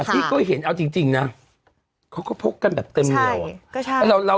พี่ก็เห็นเอาจริงนะเขาก็พกกันแบบเต็มเหนียว